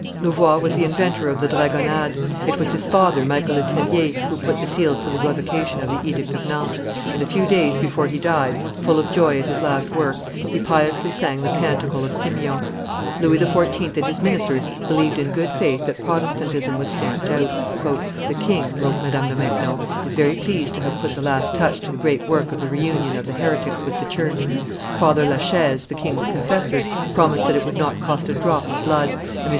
Louvois was the inventor, of the dragonnades; it was his father, Michael le Tellier, who put the seals to the revocation of the edict of Nantes; and, a few days before he died, full of joy at his last work, he piously sang the canticle of Simeon. Louis XIV. and his ministers believed in good faith that Protestantism was stamped out. "The king," wrote Madame de Maintenon, "is very pleased to have put the last touch to the great work of the reunion of the heretics with the church. Father la Chaise, the king's confessor, promised that it would not cost a drop of blood, and M.